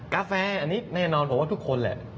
กาแฟอันนี้แน่นอนผมว่าทุกคนแหละ